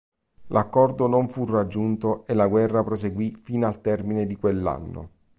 L'accordo non fu raggiunto e la guerra proseguì fino al termine di quell'anno.